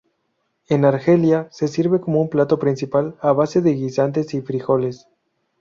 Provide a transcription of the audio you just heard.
En Argelia, se sirve como un plato principal a base de guisantes y frijoles.